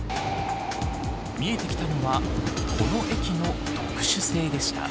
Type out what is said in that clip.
見えてきたのはこの駅の特殊性でした。